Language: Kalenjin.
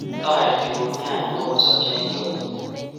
Toreti kumiat Mook kosobcho eng chokchinet